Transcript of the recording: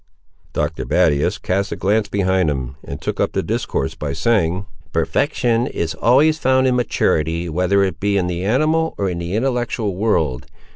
Doctor Battius cast a glance behind him, and took up the discourse, by saying— "Perfection is always found in maturity, whether it be in the animal or in the intellectual world.